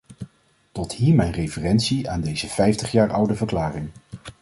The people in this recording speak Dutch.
Tot hier mijn referentie aan deze vijftig jaar oude verklaring.